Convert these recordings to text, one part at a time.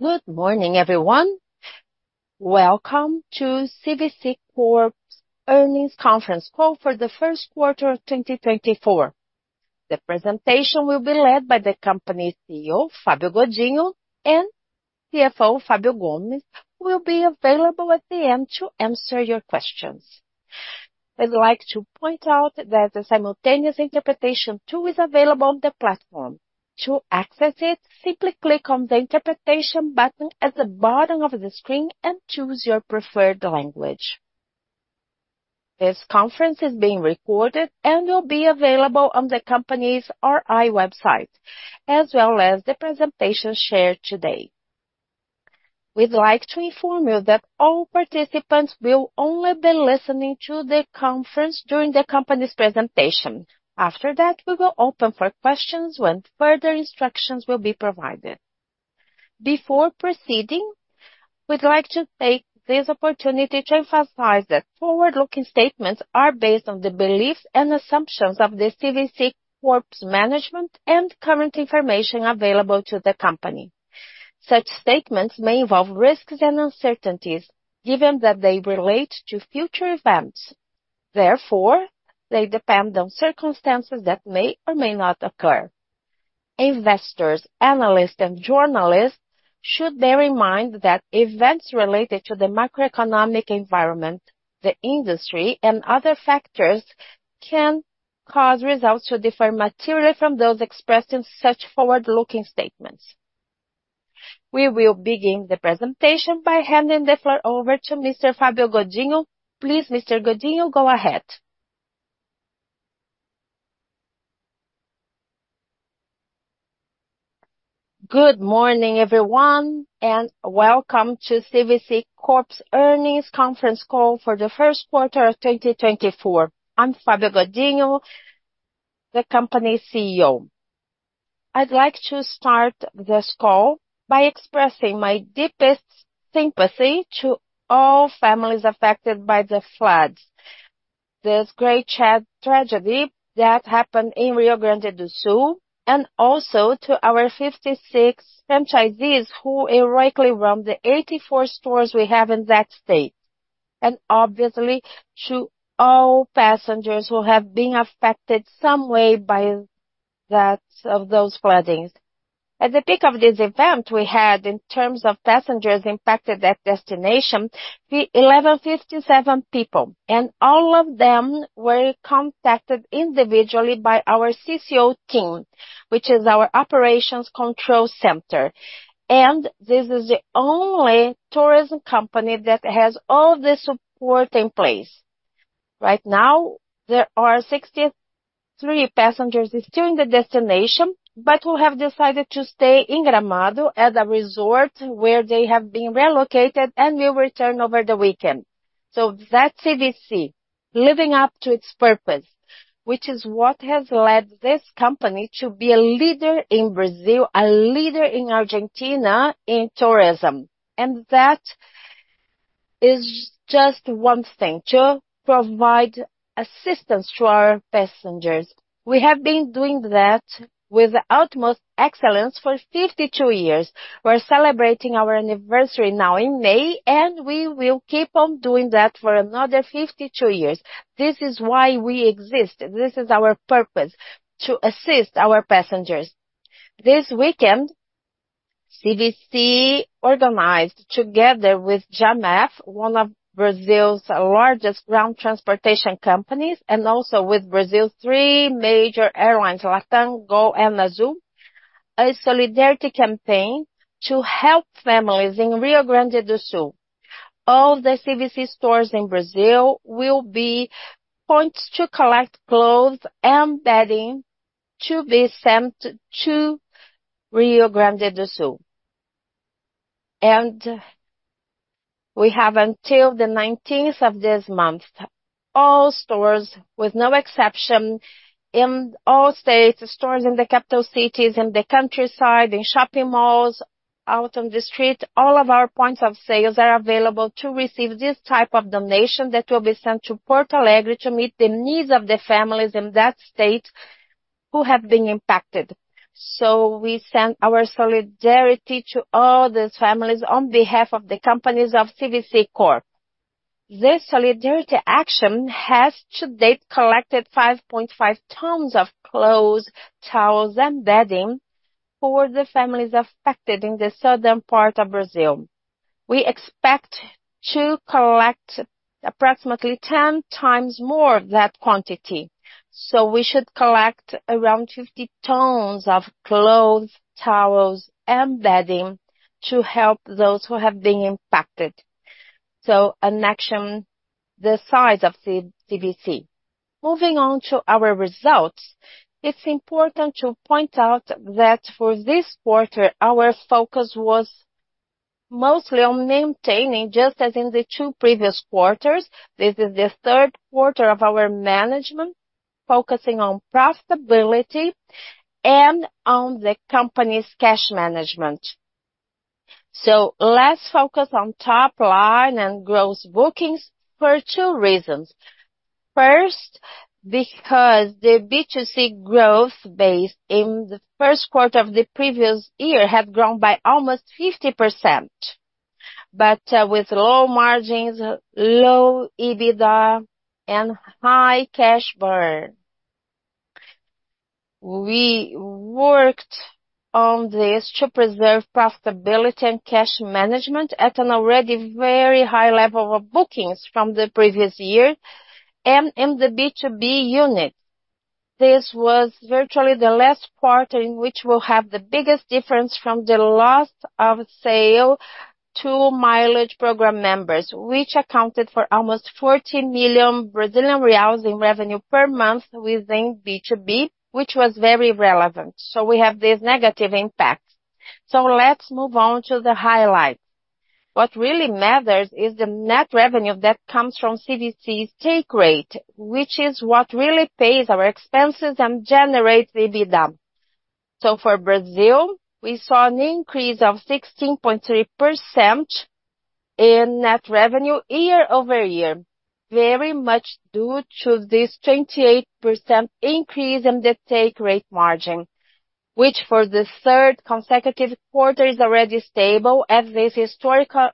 Good morning, everyone. Welcome to CVC Corp's earnings conference call for the first quarter of 2024. The presentation will be led by the company's CEO, Fábio Godinho, and CFO, Felipe Gomes, who will be available at the end to answer your questions. I'd like to point out that the simultaneous interpretation tool is available on the platform. To access it, simply click on the interpretation button at the bottom of the screen and choose your preferred language. This conference is being recorded and will be available on the company's IR website, as well as the presentation shared today. We'd like to inform you that all participants will only be listening to the conference during the company's presentation. After that, we will open for questions when further instructions will be provided. Before proceeding, we'd like to take this opportunity to emphasize that forward-looking statements are based on the beliefs and assumptions of the CVC Corp's management and current information available to the company. Such statements may involve risks and uncertainties, given that they relate to future events. Therefore, they depend on circumstances that may or may not occur. Investors, analysts, and journalists should bear in mind that events related to the macroeconomic environment, the industry, and other factors can cause results to differ materially from those expressed in such forward-looking statements. We will begin the presentation by handing the floor over to Mr. Fábio Godinho. Please, Mr. Godinho, go ahead. Good morning, everyone, and welcome to CVC Corp's earnings conference call for the first quarter of 2024. I'm Fábio Godinho, the company's CEO. I'd like to start this call by expressing my deepest sympathy to all families affected by the floods, the great tragedy that happened in Rio Grande do Sul, and also to our 56 franchisees who heroically run the 84 stores we have in that state, and obviously to all passengers who have been affected some way by those floodings. At the peak of this event we had, in terms of passengers impacted at destination, 1,157 people, and all of them were contacted individually by our CCO team, which is our operations control center, and this is the only tourism company that has all the support in place. Right now, there are 63 passengers still in the destination but who have decided to stay in Gramado as a resort where they have been relocated and will return over the weekend. So that's CVC, living up to its purpose, which is what has led this company to be a leader in Brazil, a leader in Argentina in tourism, and that is just one thing, to provide assistance to our passengers. We have been doing that with utmost excellence for 52 years. We're celebrating our anniversary now in May, and we will keep on doing that for another 52 years. This is why we exist. This is our purpose, to assist our passengers. This weekend, CVC organized, together with Jamef, one of Brazil's largest ground transportation companies, and also with Brazil's three major airlines, LATAM, GOL, and Azul, a solidarity campaign to help families in Rio Grande do Sul. All the CVC stores in Brazil will be points to collect clothes and bedding to be sent to Rio Grande do Sul. We have, until the 19th of this month, all stores, with no exception, in all states, stores in the capital cities, in the countryside, in shopping malls, out on the street, all of our points of sales are available to receive this type of donation that will be sent to Porto Alegre to meet the needs of the families in that state who have been impacted. So we send our solidarity to all those families on behalf of the companies of CVC Corp. This solidarity action has, to date, collected 5.5 tons of clothes, towels, and bedding for the families affected in the southern part of Brazil. We expect to collect approximately 10 times more of that quantity, so we should collect around 50 tons of clothes, towels, and bedding to help those who have been impacted. So an action the size of CVC. Moving on to our results, it's important to point out that for this quarter, our focus was mostly on maintaining, just as in the two previous quarters, this is the third quarter of our management, focusing on profitability and on the company's cash management. So let's focus on top-line and gross bookings for two reasons. First, because the B2C growth base in the first quarter of the previous year had grown by almost 50%, but with low margins, low EBITDA, and high cash burn. We worked on this to preserve profitability and cash management at an already very high level of bookings from the previous year, and in the B2B unit. This was virtually the last quarter in which we'll have the biggest difference from the loss of sale to mileage program members, which accounted for almost 40 million Brazilian reais in revenue per month within B2B, which was very relevant. So we have these negative impacts. So let's move on to the highlights. What really matters is the net revenue that comes from CVC's take rate, which is what really pays our expenses and generates EBITDA. So for Brazil, we saw an increase of 16.3% in net revenue year-over-year, very much due to this 28% increase in the take rate margin, which for the third consecutive quarter is already stable at this historical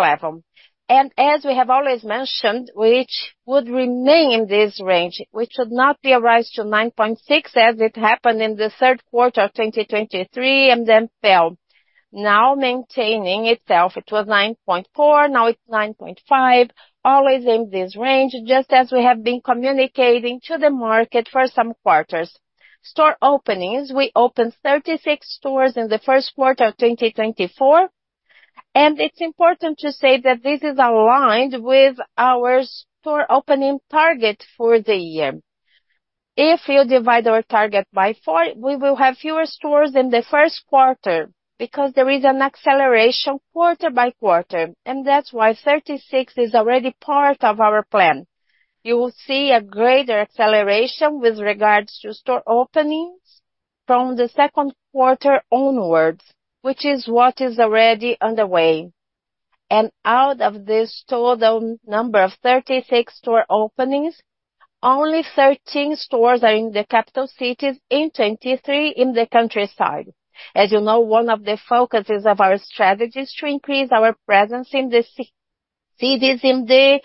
level. And as we have always mentioned, which would remain in this range, which should not be a rise to 9.6 as it happened in the third quarter of 2023 and then fell. Now maintaining itself, it was 9.4, now it's 9.5, always in this range, just as we have been communicating to the market for some quarters. Store openings, we opened 36 stores in the first quarter of 2024, and it's important to say that this is aligned with our store opening target for the year. If you divide our target by four, we will have fewer stores in the first quarter because there is an acceleration quarter-by-quarter, and that's why 36 is already part of our plan. You will see a greater acceleration with regards to store openings from the second quarter onwards, which is what is already underway. Out of this total number of 36 store openings, only 13 stores are in the capital cities and 23 in the countryside. As you know, one of the focuses of our strategy is to increase our presence in the cities in the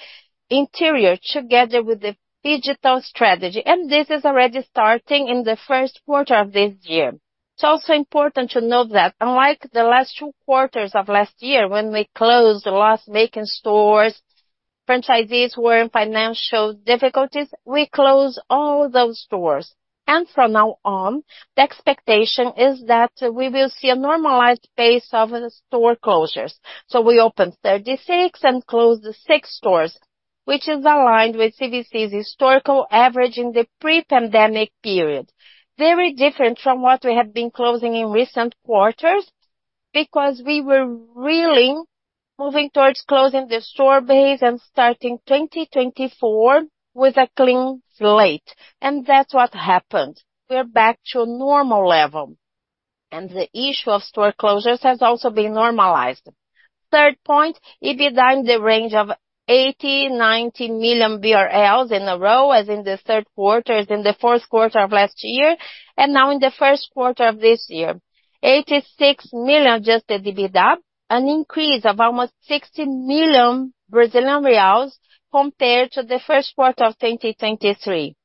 interior together with the digital strategy, and this is already starting in the first quarter of this year. It's also important to note that, unlike the last two quarters of last year when we closed loss-making stores, franchisees were in financial difficulties, we closed all those stores. From now on, the expectation is that we will see a normalized pace of store closures. We opened 36 and closed six stores, which is aligned with CVC's historical average in the pre-pandemic period, very different from what we have been closing in recent quarters because we were really moving towards closing the store base and starting 2024 with a clean slate, and that's what happened. We're back to a normal level, and the issue of store closures has also been normalized. Third point, EBITDA in the range of 80 million-90 million BRL in a row, as in the third quarter, as in the fourth quarter of last year, and now in the first quarter of this year. 86 million just the EBITDA, an increase of almost 60 million Brazilian reals compared to the first quarter of 2023.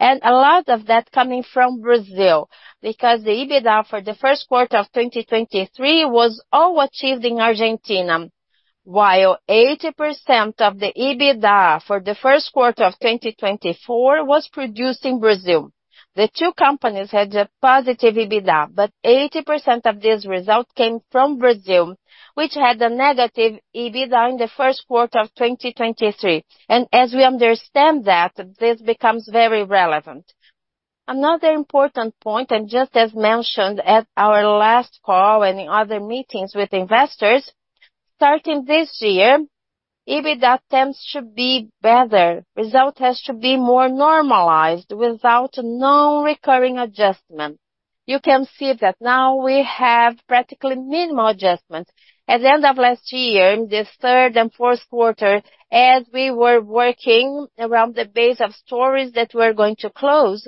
And a lot of that coming from Brazil because the EBITDA for the first quarter of 2023 was all achieved in Argentina, while 80% of the EBITDA for the first quarter of 2024 was produced in Brazil. The two companies had a positive EBITDA, but 80% of this result came from Brazil, which had a negative EBITDA in the first quarter of 2023, and as we understand that, this becomes very relevant. Another important point, and just as mentioned at our last call and in other meetings with investors, starting this year, EBITDA trends should be better. Results have to be more normalized without known recurring adjustment. You can see that now we have practically minimal adjustments. At the end of last year, in the third and fourth quarter, as we were working around the base of stories that we're going to close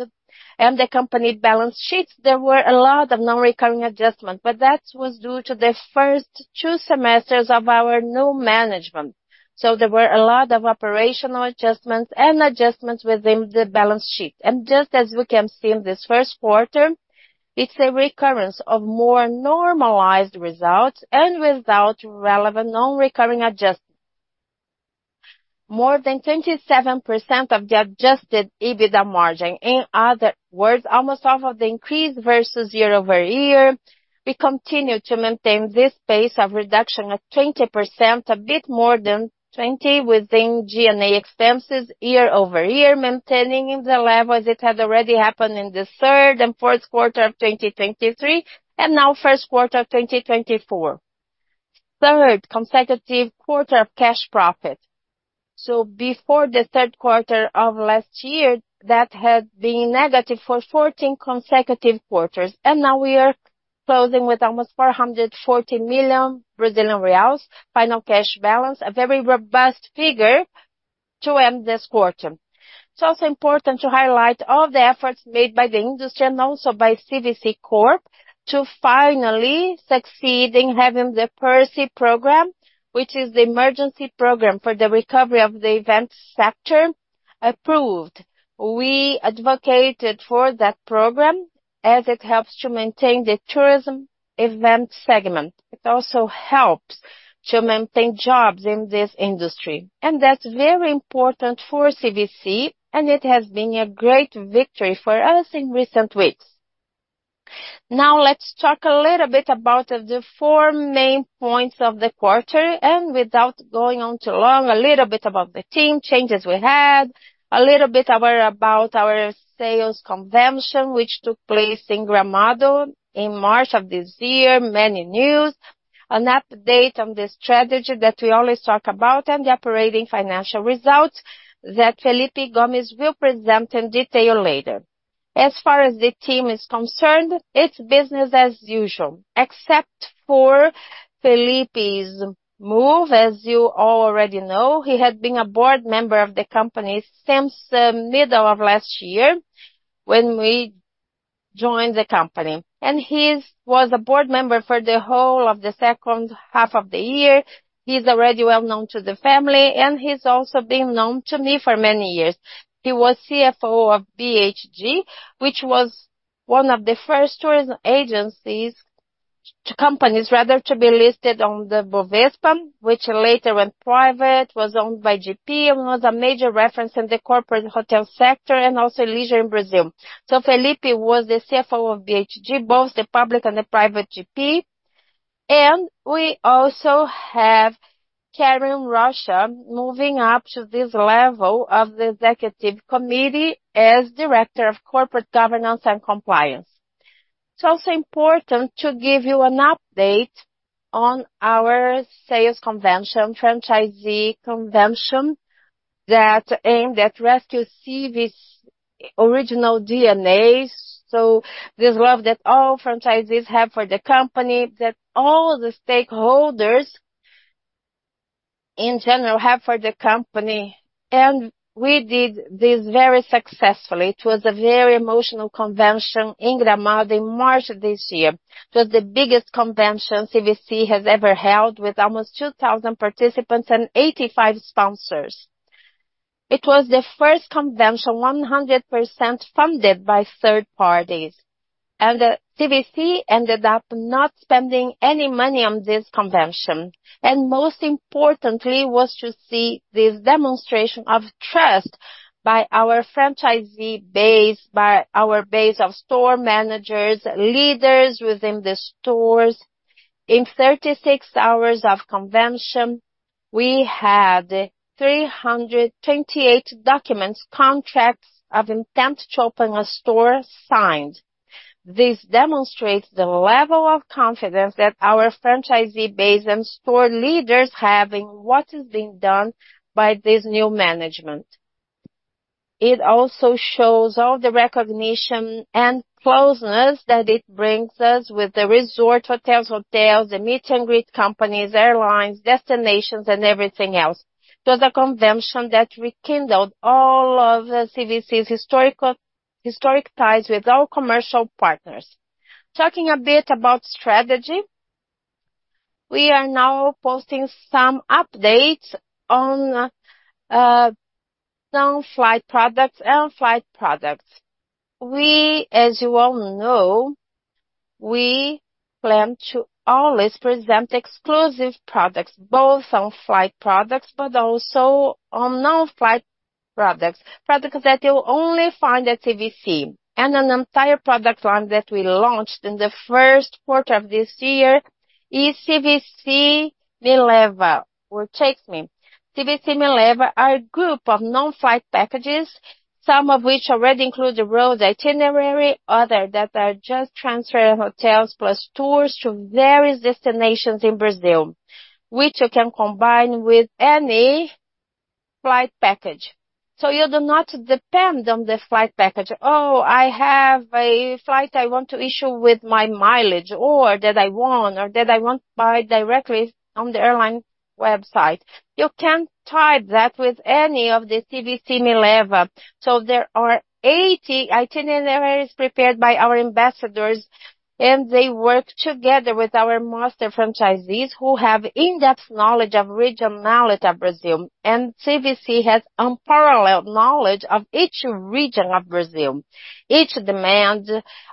and the company balance sheets, there were a lot of known recurring adjustments, but that was due to the first two semesters of our new management. So there were a lot of operational adjustments and adjustments within the balance sheet, and just as we can see in this first quarter, it's a recurrence of more normalized results and without relevant known recurring adjustments. More than 27% of the adjusted EBITDA margin, in other words, almost half of the increase versus year-over-year, we continue to maintain this pace of reduction of 20%, a bit more than 20% within G&A expenses year-over-year, maintaining the level as it had already happened in the third and fourth quarter of 2023 and now first quarter of 2024. Third consecutive quarter of cash profit. So before the third quarter of last year, that had been negative for 14 consecutive quarters, and now we are closing with almost 440 million Brazilian reais final cash balance, a very robust figure to end this quarter. It's also important to highlight all the efforts made by the industry and also by CVC Corp to finally succeed in having the PERSE program, which is the emergency program for the recovery of the event sector, approved. We advocated for that program as it helps to maintain the tourism event segment. It also helps to maintain jobs in this industry, and that's very important for CVC, and it has been a great victory for us in recent weeks. Now let's talk a little bit about the four main points of the quarter, and without going on too long, a little bit about the team changes we had, a little bit about our sales convention, which took place in Gramado in March of this year, many news, an update on the strategy that we always talk about, and the operating financial results that Felipe Gomes will present in detail later. As far as the team is concerned, it's business as usual, except for Felipe's move, as you all already know, he had been a board member of the company since the middle of last year when we joined the company, and he was a board member for the whole of the second half of the year. He's already well known to the family, and he's also been known to me for many years. He was CFO of BHG, which was one of the first tourism agencies to companies, rather, to be listed on the Bovespa, which later went private, was owned by GP, and was a major reference in the corporate hotel sector and also leisure in Brazil. So Felipe was the CFO of BHG, both the public and the private GP, and we also have Karin Rocha moving up to this level of the executive committee as Director of Corporate Governance and Compliance. It's also important to give you an update on our sales convention, franchisee convention, that aimed at rescuing CVC's original DNA, so this love that all franchisees have for the company, that all the stakeholders, in general, have for the company, and we did this very successfully. It was a very emotional convention in Gramado in March of this year. It was the biggest convention CVC has ever held with almost 2,000 participants and 85 sponsors. It was the first convention 100% funded by third parties, and CVC ended up not spending any money on this convention. Most importantly, it was to see this demonstration of trust by our franchisee base, by our base of store managers, leaders within the stores. In 36 hours of convention, we had 328 documents, contracts of intent to open a store signed. This demonstrates the level of confidence that our franchisee base and store leaders have in what has been done by this new management. It also shows all the recognition and closeness that it brings us with the resort hotels, hotels, the meet-and-greet companies, airlines, destinations, and everything else. It was a convention that rekindled all of CVC's historic ties with all commercial partners. Talking a bit about strategy, we are now posting some updates on non-flight products and flight products. As you all know, we plan to always present exclusive products, both on flight products but also on non-flight products, products that you'll only find at CVC. An entire product line that we launched in the first quarter of this year is CVC Me Leva or take me. CVC Me Leva are a group of non-flight packages, some of which already include the road itinerary, others that are just transferred hotels plus tours to various destinations in Brazil, which you can combine with any flight package. So you do not depend on the flight package, "Oh, I have a flight I want to issue with my mileage," or "that I want," or "that I want to buy directly on the airline website." You can tie that with any of the CVC Me Leva. So there are 80 itineraries prepared by our ambassadors, and they work together with our master franchisees who have in-depth knowledge of regionality of Brazil, and CVC has unparalleled knowledge of each region of Brazil, each demand,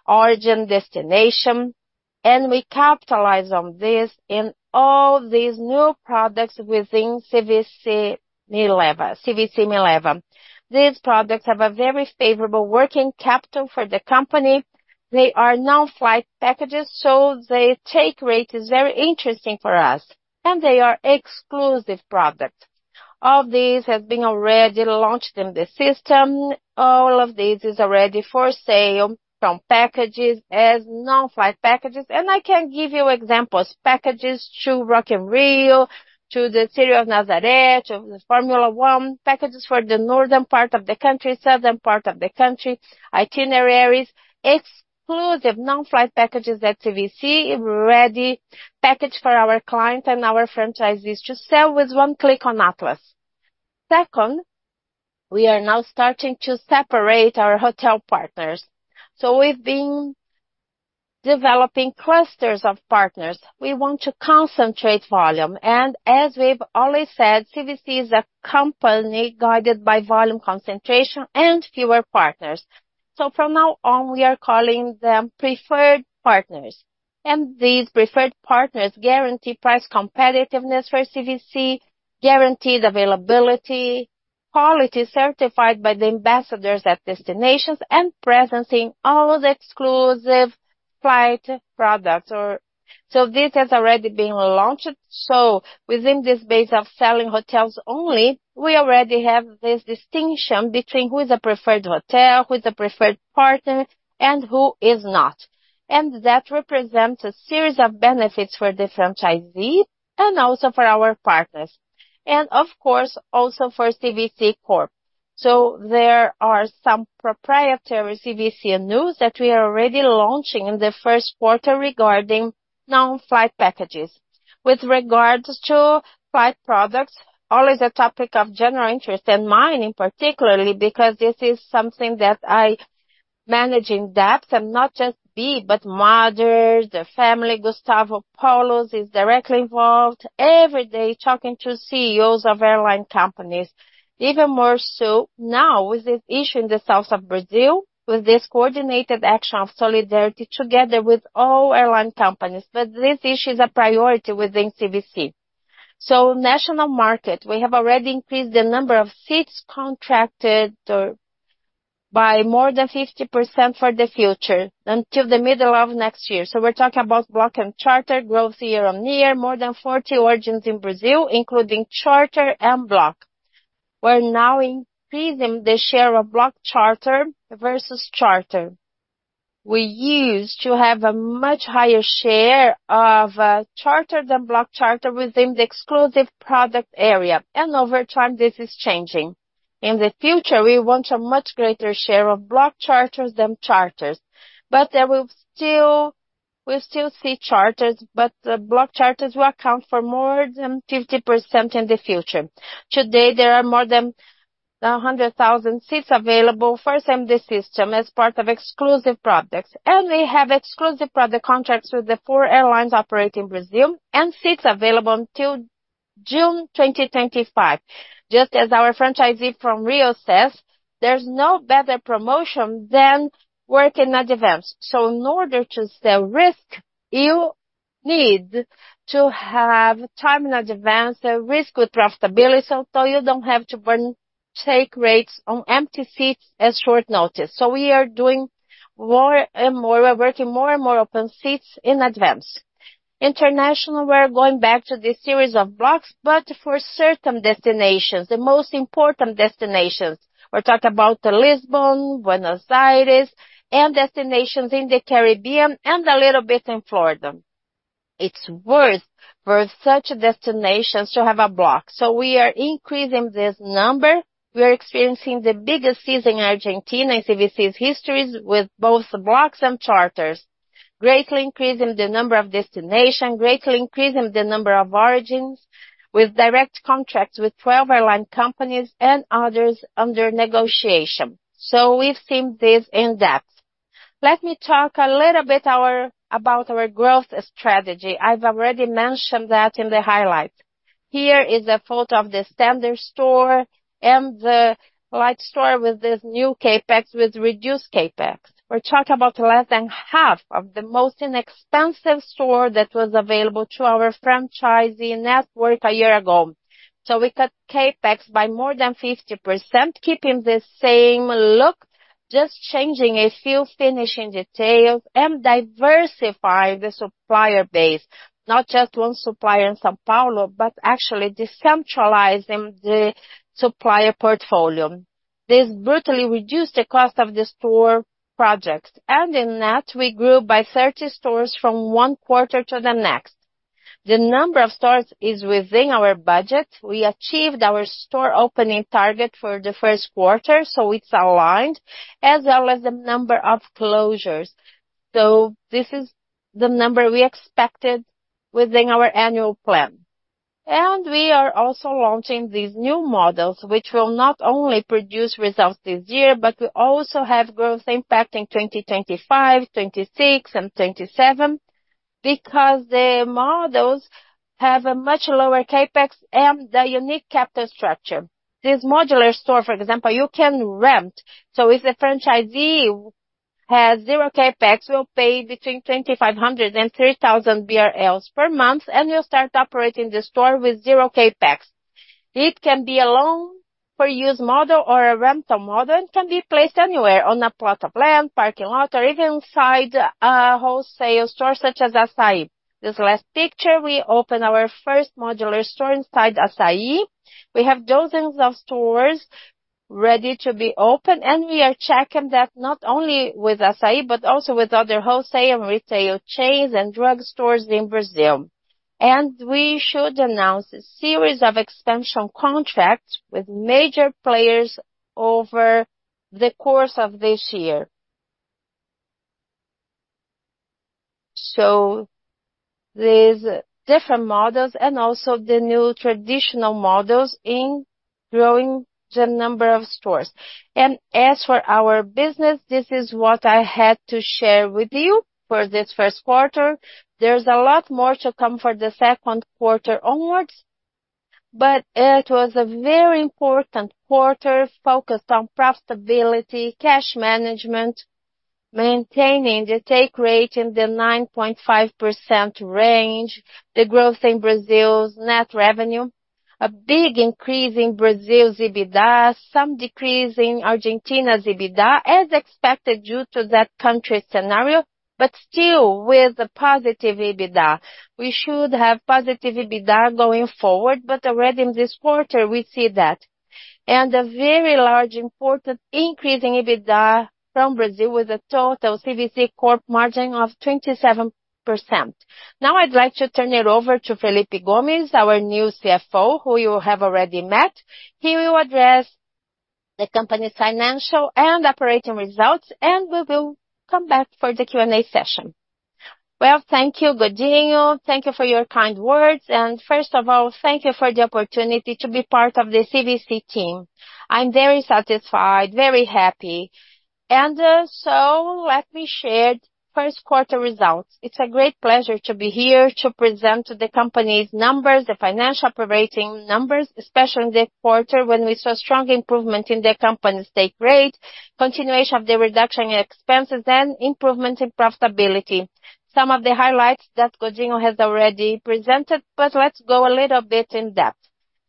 origin, destination, and we capitalize on this in all these new products within CVC Me Leva. CVC Me Leva. These products have a very favorable working capital for the company. They are non-flight packages, so the take rate is very interesting for us, and they are exclusive products. All of this has been already launched in the system. All of this is already for sale from packages as non-flight packages, and I can give you examples, packages to Rock in Rio, to the city of Nazaré, to Formula One, packages for the northern part of the country, southern part of the country, itineraries, exclusive non-flight packages at CVC, ready package for our clients and our franchisees to sell with one click on Atlas. Second, we are now starting to separate our hotel partners. So we've been developing clusters of partners. We want to concentrate volume, and as we've always said, CVC is a company guided by volume concentration and fewer partners. So from now on, we are calling them preferred partners, and these preferred partners guarantee price competitiveness for CVC, guaranteed availability, quality certified by the ambassadors at destinations, and presence in all the exclusive flight products. So this has already been launched. So within this base of selling hotels only, we already have this distinction between who is a preferred hotel, who is a preferred partner, and who is not, and that represents a series of benefits for the franchisee and also for our partners, and of course, also for CVC Corp. So there are some proprietary CVC news that we are already launching in the first quarter regarding non-flight packages. With regards to flight products, always a topic of general interest and mine in particular because this is something that I manage in depth and not just me but members, the family, Gustavo Paulus is directly involved every day talking to CEOs of airline companies, even more so now with this issue in the south of Brazil with this coordinated action of solidarity together with all airline companies, but this issue is a priority within CVC. National market, we have already increased the number of seats contracted by more than 50% for the future until the middle of next year. We're talking about block and charter growth year on year, more than 40 origins in Brazil, including charter and block. We're now increasing the share of block charter versus charter. We used to have a much higher share of charter than block charter within the exclusive product area, and over time, this is changing. In the future, we want a much greater share of block charters than charters, but there will still we'll still see charters, but the block charters will account for more than 50% in the future. Today, there are more than 100,000 seats available first in the system as part of exclusive products, and we have exclusive product contracts with the four airlines operating in Brazil and seats available until June 2025. Just as our franchisee from Rio says, there's no better promotion than working in advance. So in order to sell risk, you need to have time in advance, a risk with profitability, so you don't have to burn take rates on empty seats at short notice. So we are doing more and more we're working more and more open seats in advance. International, we're going back to this series of blocks, but for certain destinations, the most important destinations, we're talking about Lisbon, Buenos Aires, and destinations in the Caribbean and a little bit in Florida. It's worth for such destinations to have a block. So we are increasing this number. We are experiencing the biggest season in Argentina in CVC's histories with both blocks and charters, greatly increasing the number of destinations, greatly increasing the number of origins with direct contracts with 12 airline companies and others under negotiation. So we've seen this in depth. Let me talk a little bit about our growth strategy. I've already mentioned that in the highlights. Here is a photo of the standard store and the light store with this new CapEx with reduced CapEx. We're talking about less than half of the most inexpensive store that was available to our franchisee network a year ago. So we cut CapEx by more than 50%, keeping the same look, just changing a few finishing details, and diversifying the supplier base, not just one supplier in São Paulo, but actually decentralizing the supplier portfolio. This brutally reduced the cost of the store projects, and in net, we grew by 30 stores from one quarter to the next. The number of stores is within our budget. We achieved our store opening target for the first quarter, so it's aligned, as well as the number of closures. So this is the number we expected within our annual plan. And we are also launching these new models, which will not only produce results this year, but we also have growth impact in 2025, 2026, and 2027 because the models have a much lower CapEx and the unique capital structure. This modular store, for example, you can rent. So if the franchisee has zero CapEx, will pay between 2,500-3,000 BRL per month, and will start operating the store with zero CapEx. It can be a loan-for-use model or a rental model and can be placed anywhere on a plot of land, parking lot, or even inside a wholesale store such as Assaí. This last picture, we open our first modular store inside Assaí. We have dozens of stores ready to be open, and we are checking that not only with Assaí but also with other wholesale and retail chains and drug stores in Brazil. And we should announce a series of expansion contracts with major players over the course of this year. So these different models and also the new traditional models in growing the number of stores. And as for our business, this is what I had to share with you for this first quarter. There's a lot more to come for the second quarter onwards, but it was a very important quarter focused on profitability, cash management, maintaining the take rate in the 9.5% range, the growth in Brazil's net revenue, a big increase in Brazil's EBITDA, some decrease in Argentina's EBITDA as expected due to that country scenario, but still with a positive EBITDA. We should have positive EBITDA going forward, but already in this quarter, we see that, and a very large important increase in EBITDA from Brazil with a total CVC Corp margin of 27%. Now I'd like to turn it over to Felipe Gomes, our new CFO, who you have already met. He will address the company's financial and operating results, and we will come back for the Q&A session. Well, thank you, Godinho. Thank you for your kind words, and first of all, thank you for the opportunity to be part of the CVC team. I'm very satisfied, very happy. So let me share first quarter results. It's a great pleasure to be here to present to the company's numbers, the financial operating numbers, especially in the quarter when we saw strong improvement in the company's take rate, continuation of the reduction in expenses, and improvement in profitability. Some of the highlights that Godinho has already presented. But let's go a little bit in depth.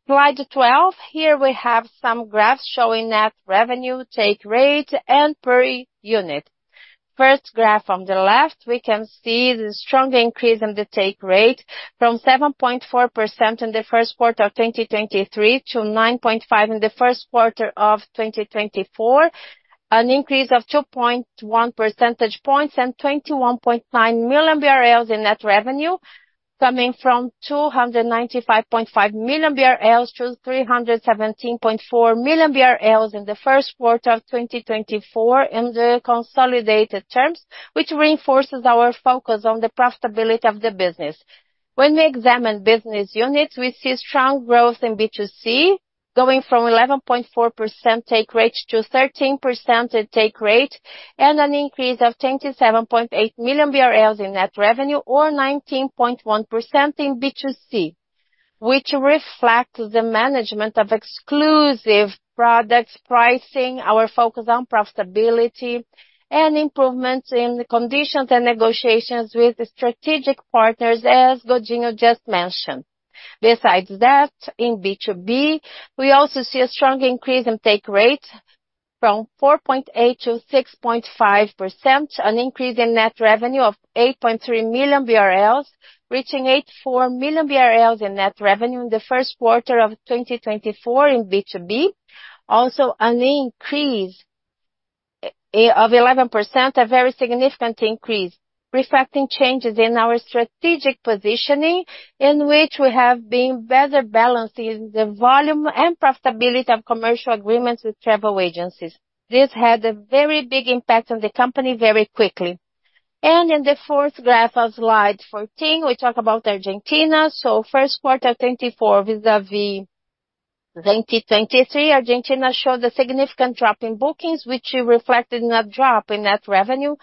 Slide 12, here we have some graphs showing net revenue, take rate, and per unit. First graph on the left, we can see the strong increase in the take rate from 7.4% in the first quarter of 2023 to 9.5% in the first quarter of 2024, an increase of 2.1 percentage points and 21.9 million BRL in net revenue, coming from 295.5 million-317.4 million BRL in the first quarter of 2024 in the consolidated terms, which reinforces our focus on the profitability of the business. When we examine business units, we see strong growth in B2C, going from 11.4% take rate to 13% take rate, and an increase of 27.8 million BRL in net revenue or 19.1% in B2C, which reflects the management of exclusive products pricing, our focus on profitability, and improvements in conditions and negotiations with strategic partners, as Godinho just mentioned. Besides that, in B2B, we also see a strong increase in take rate from 4.8%-6.5%, an increase in net revenue of 8.3 million BRL, reaching 84 million BRL in net revenue in the first quarter of 2024 in B2B, also an increase of 11%, a very significant increase, reflecting changes in our strategic positioning in which we have been better balancing the volume and profitability of commercial agreements with travel agencies. This had a very big impact on the company very quickly. In the fourth graph of slide 14, we talk about Argentina. So first quarter of 2024 vis-à-vis 2023, Argentina showed a significant drop in bookings, which reflected not a drop in net revenue,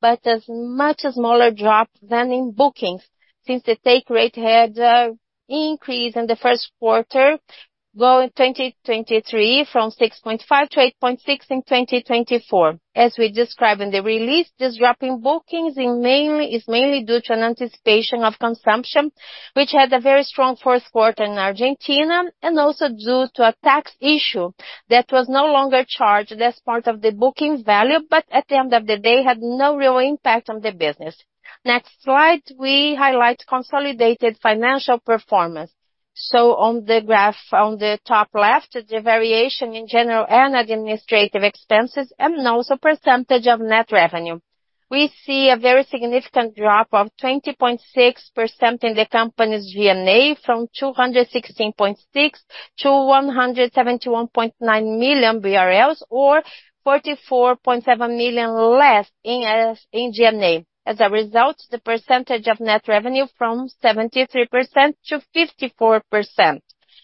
but as much a smaller drop than in bookings since the take rate had an increase in the first quarter going 2023 from 6.5%-8.6% in 2024. As we described in the release, this drop in bookings is mainly due to an anticipation of consumption, which had a very strong fourth quarter in Argentina, and also due to a tax issue that was no longer charged as part of the booking value, but at the end of the day, had no real impact on the business. Next slide, we highlight consolidated financial performance. So on the graph on the top left, the variation in general and administrative expenses and also percentage of net revenue. We see a very significant drop of 20.6% in the company's G&A from 216.6 million-171.9 million BRL or 44.7 million less in G&A. As a result, the percentage of net revenue from 73%-54%,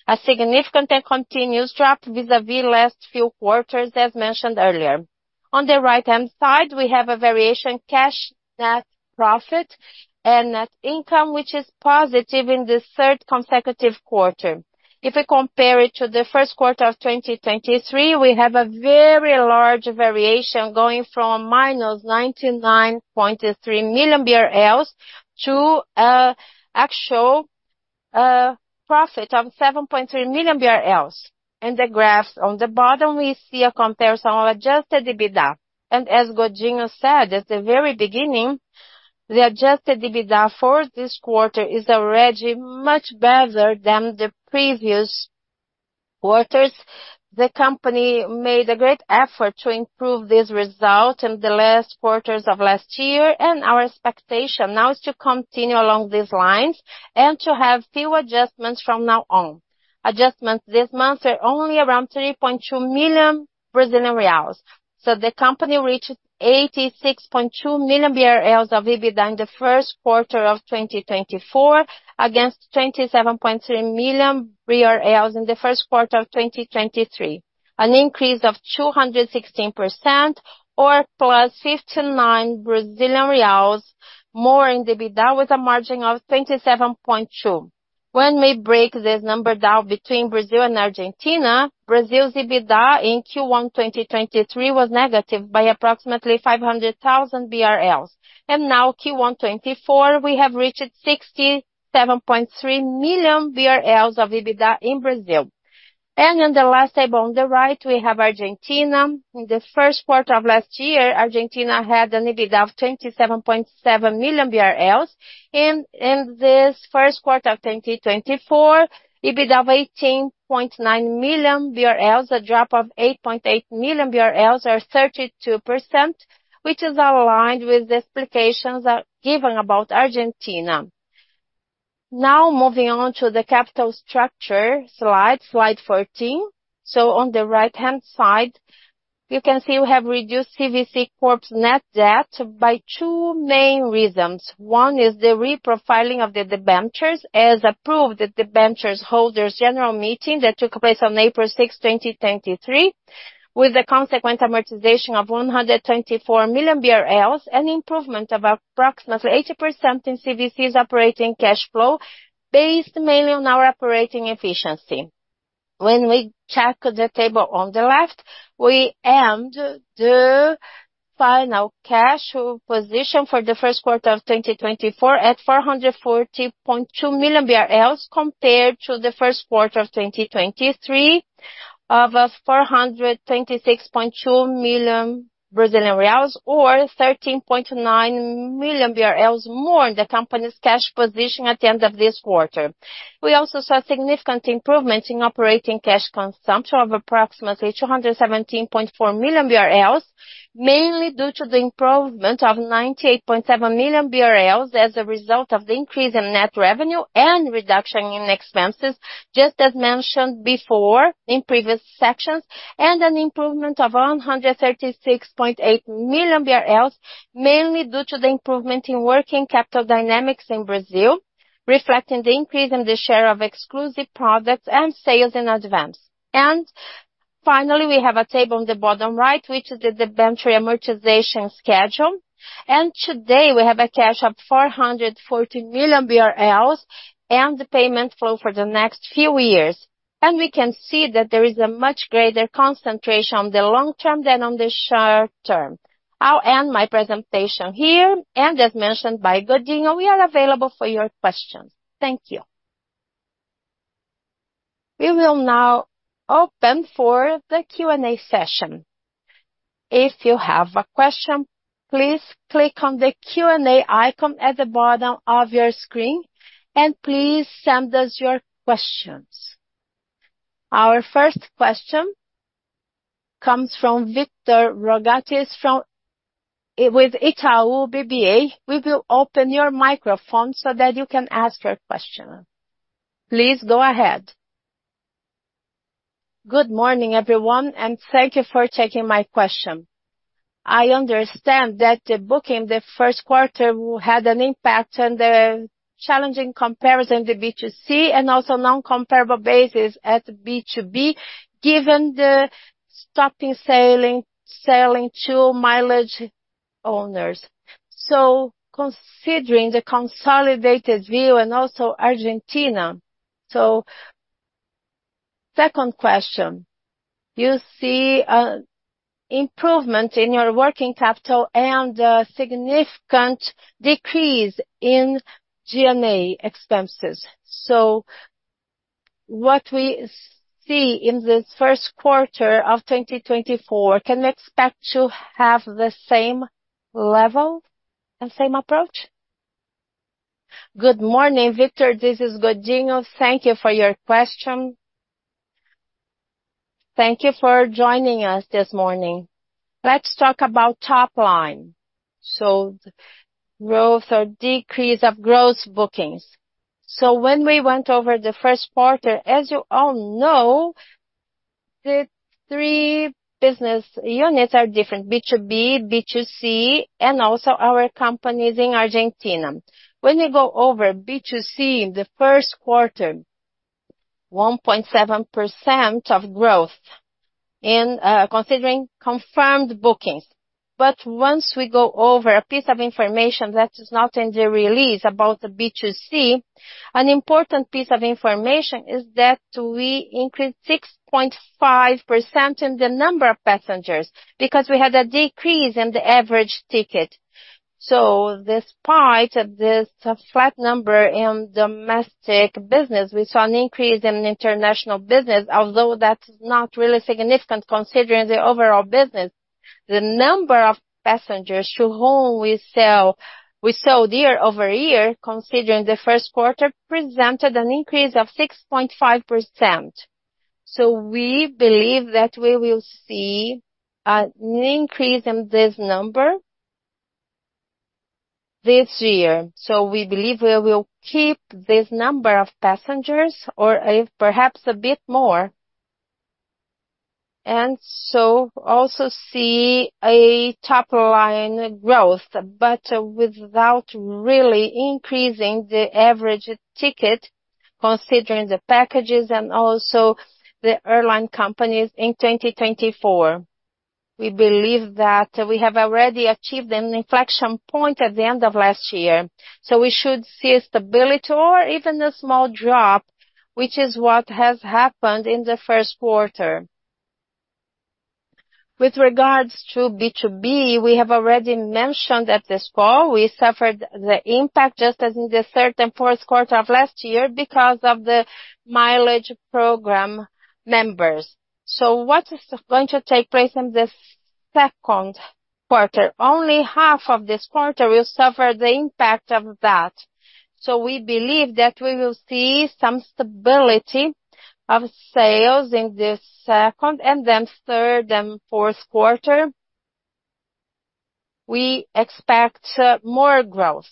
a significant and continuous drop vis-à-vis last few quarters, as mentioned earlier. On the right-hand side, we have a variation in cash net profit and net income, which is positive in the third consecutive quarter. If we compare it to the first quarter of 2023, we have a very large variation going from -99.3 million BRL to an actual profit of 7.3 million BRL. In the graphs on the bottom, we see a comparison of adjusted EBITDA. And as Godinho said at the very beginning, the adjusted EBITDA for this quarter is already much better than the previous quarters. The company made a great effort to improve this result in the last quarters of last year, and our expectation now is to continue along these lines and to have few adjustments from now on. Adjustments this month are only around 3.2 million Brazilian reais. So the company reached 86.2 million BRL of EBITDA in the first quarter of 2024 against 27.3 million BRL in the first quarter of 2023, an increase of 216% or plus 59 Brazilian reals more in EBITDA with a margin of 27.2%. When we break this number down between Brazil and Argentina, Brazil's EBITDA in Q1 2023 was negative by approximately 500,000 BRL, and now Q1 2024, we have reached 67.3 million BRL of EBITDA in Brazil. And in the last table on the right, we have Argentina. In the first quarter of last year, Argentina had an EBITDA of 27.7 million BRL. In this first quarter of 2024, EBITDA of 18.9 million BRL, a drop of 8.8 million BRL or 32%, which is aligned with the explanations given about Argentina. Now moving on to the capital structure slide, slide 14. On the right-hand side, you can see we have reduced CVC Corp's net debt by two main reasons. One is the reprofiling of the debentures as approved at the debentures holders general meeting that took place on April 6, 2023, with the consequent amortization of 124 million BRL and improvement of approximately 80% in CVC's operating cash flow based mainly on our operating efficiency. When we check the table on the left, we end the final cash position for the first quarter of 2024 at 440.2 million BRL compared to the first quarter of 2023 of 426.2 million Brazilian reais or 13.9 million BRL more in the company's cash position at the end of this quarter. We also saw significant improvements in operating cash consumption of approximately 217.4 million BRL, mainly due to the improvement of 98.7 million BRL as a result of the increase in net revenue and reduction in expenses, just as mentioned before in previous sections, and an improvement of 136.8 million BRL, mainly due to the improvement in working capital dynamics in Brazil, reflecting the increase in the share of exclusive products and sales in advance. Finally, we have a table on the bottom right, which is the debenture amortization schedule. Today, we have cash of 440 million BRL and the payment flow for the next few years. We can see that there is a much greater concentration on the long term than on the short term. I'll end my presentation here, and as mentioned by Godinho, we are available for your questions. Thank you. We will now open for the Q&A session. If you have a question, please click on the Q&A icon at the bottom of your screen, and please send us your questions. Our first question comes from Victor Rogatis with Itaú BBA. We will open your microphone so that you can ask your question. Please go ahead. Good morning, everyone, and thank you for checking my question. I understand that the booking the first quarter had an impact on the challenging comparison to B2C and also non-comparable basis at B2B given the stopping selling to mileage owners. So considering the consolidated view and also Argentina, so second question, you see an improvement in your working capital and a significant decrease in G&A expenses. So what we see in this first quarter of 2024, can we expect to have the same level and same approach? Good morning, Victor. This is Godinho. Thank you for your question. Thank you for joining us this morning. Let's talk about top line, so growth or decrease of gross bookings. So when we went over the first quarter, as you all know, the three business units are different: B2B, B2C, and also our companies in Argentina. When we go over B2C in the first quarter, 1.7% of growth considering confirmed bookings. But once we go over a piece of information that is not in the release about the B2C, an important piece of information is that we increased 6.5% in the number of passengers because we had a decrease in the average ticket. So despite this flat number in domestic business, we saw an increase in international business, although that's not really significant considering the overall business. The number of passengers to whom we sold year-over-year, considering the first quarter, presented an increase of 6.5%. So we believe that we will see an increase in this number this year. So we believe we will keep this number of passengers or perhaps a bit more and so also see a top line growth, but without really increasing the average ticket considering the packages and also the airline companies in 2024. We believe that we have already achieved an inflection point at the end of last year. So we should see stability or even a small drop, which is what has happened in the first quarter. With regards to B2B, we have already mentioned at this call we suffered the impact just as in the third and fourth quarter of last year because of the mileage program members. So what is going to take place in the second quarter? Only half of this quarter will suffer the impact of that. We believe that we will see some stability of sales in the second and then third and fourth quarter. We expect more growth.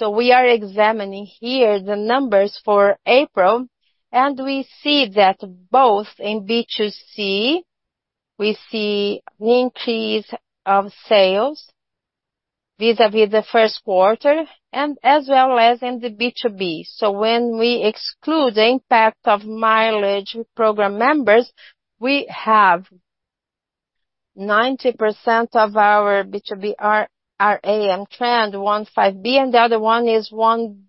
We are examining here the numbers for April, and we see that both in B2C, we see an increase of sales vis-à-vis the first quarter and as well as in the B2B. When we exclude the impact of mileage program members, we have 90% of our B2B RA and Trend 15B, and the other one is 1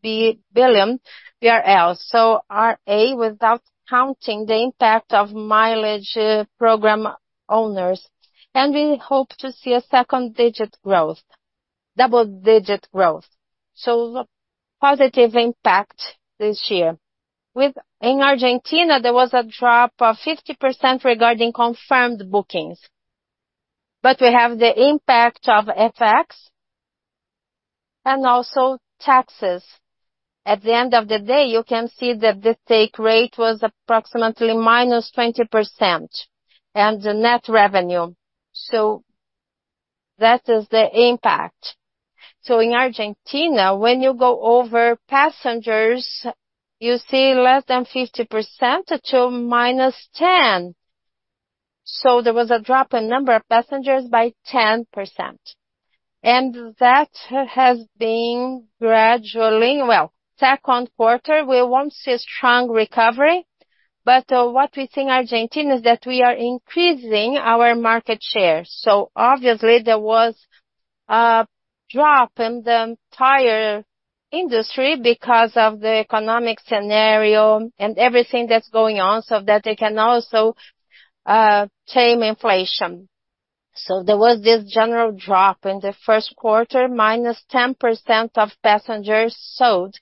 billion BRL, so RA without counting the impact of mileage program owners. We hope to see a second-digit growth, double-digit growth, so positive impact this year. In Argentina, there was a drop of 50% regarding confirmed bookings. But we have the impact of FX and also taxes. At the end of the day, you can see that the take rate was approximately -20% and the net revenue. So that is the impact. So in Argentina, when you go over passengers, you see less than 50% to -10%. So there was a drop in number of passengers by 10%. And that has been gradually well, second quarter, we won't see a strong recovery, but what we think Argentina is that we are increasing our market share. So obviously, there was a drop in the entire industry because of the economic scenario and everything that's going on so that they can also tame inflation. So there was this general drop in the first quarter, -10% of passengers sold.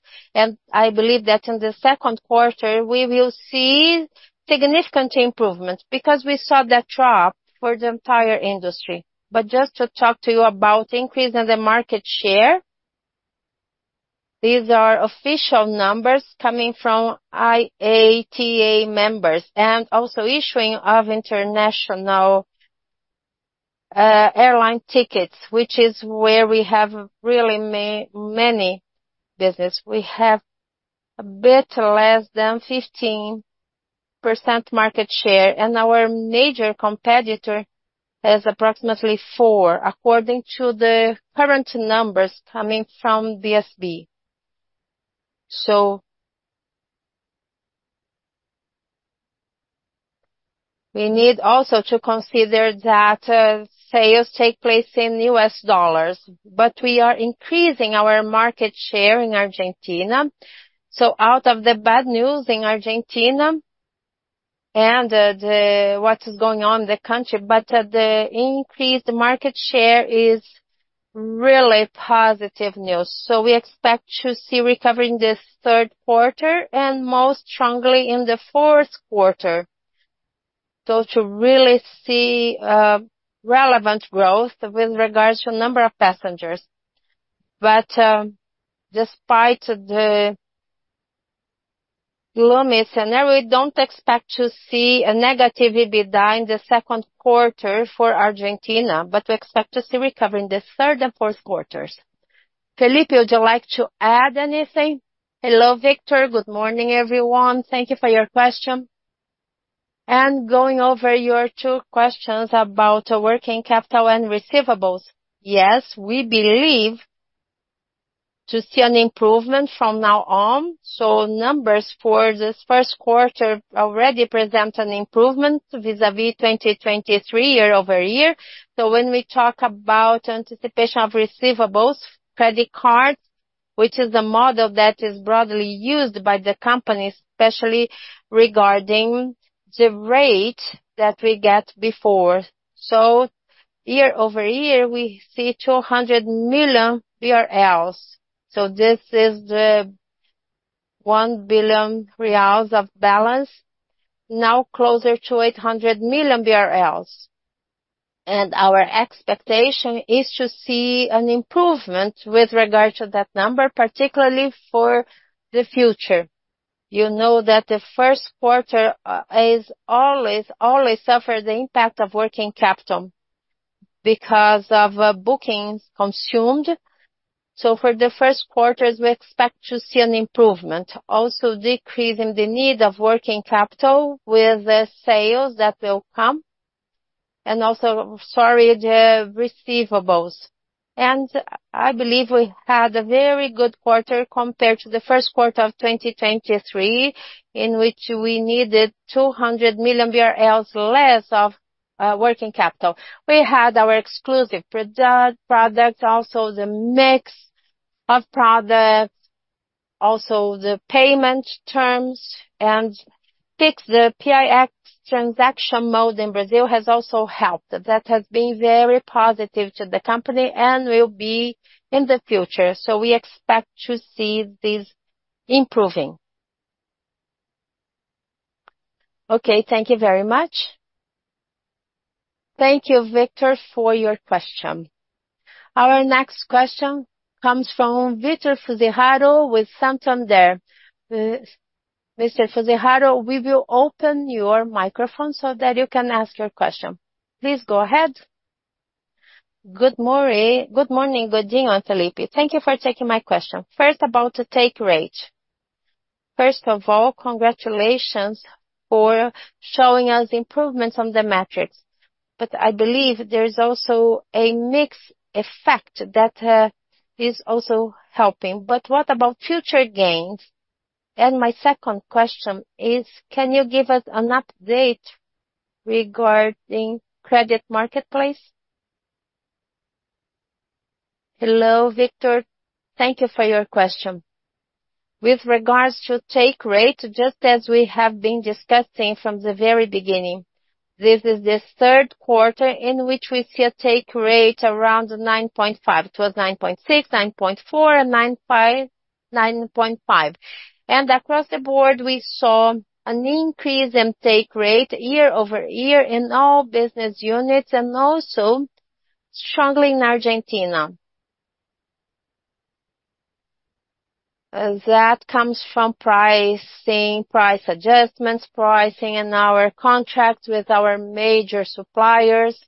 I believe that in the second quarter, we will see significant improvement because we saw that drop for the entire industry. But just to talk to you about increase in the market share, these are official numbers coming from IATA members and also issuing of international airline tickets, which is where we have really many business. We have a bit less than 15% market share, and our major competitor has approximately 4% according to the current numbers coming from BSP. So we need also to consider that sales take place in US dollars, but we are increasing our market share in Argentina. So out of the bad news in Argentina and what is going on in the country, but the increased market share is really positive news. So we expect to see recovery in this third quarter and most strongly in the fourth quarter, so to really see relevant growth with regards to number of passengers. But despite the gloomy scenario, we don't expect to see a negative EBITDA in the second quarter for Argentina, but we expect to see recovery in the third and fourth quarters. Felipe, would you like to add anything? Hello, Victor. Good morning, everyone. Thank you for your question. And going over your two questions about working capital and receivables, yes, we believe to see an improvement from now on. So numbers for this first quarter already present an improvement vis-à-vis 2023 year-over-year. So when we talk about anticipation of receivables, credit cards, which is a model that is broadly used by the companies, especially regarding the rate that we get before. So year over year, we see 200 million. So this is the 1 billion reais of balance, now closer to 800 million. And our expectation is to see an improvement with regard to that number, particularly for the future. You know that the first quarter has always, always suffered the impact of working capital because of bookings consumed. So for the first quarters, we expect to see an improvement, also decrease in the need of working capital with sales that will come and also, sorry, the receivables. And I believe we had a very good quarter compared to the first quarter of 2023 in which we needed 200 million BRL less of working capital. We had our exclusive product, also the mix of products, also the payment terms, and fixed the PIX transaction mode in Brazil has also helped. That has been very positive to the company and will be in the future. So we expect to see this improving. Okay. Thank you very much. Thank you, Victor, for your question. Our next question comes from Vitor Fuziharo with Santander. Mr. Fuziharo, we will open your microphone so that you can ask your question. Please go ahead. Good morning, Godinho and Felipe. Thank you for taking my question. First, about the take rate. First of all, congratulations for showing us improvements on the metrics. But I believe there is also a mixed effect that is also helping. But what about future gains? And my second question is, can you give us an update regarding credit marketplace? Hello, Vitor. Thank you for your question. With regards to take rate, just as we have been discussing from the very beginning, this is the third quarter in which we see a take rate around 9.5. It was 9.6, 9.4, and 9.5. And across the board, we saw an increase in take rate year-over-year in all business units and also strongly in Argentina. That comes from pricing, price adjustments, pricing, and our contracts with our major suppliers.